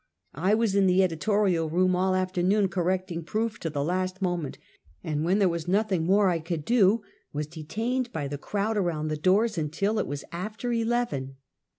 I was in the editorial room all afternoon, correcting proof to the last moment, and when there was nothing more I could do, was detained by the crowd around the doors until it was after eleven.